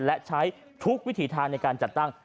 และใช้ทุกวิถีทางในการจัดตั้ง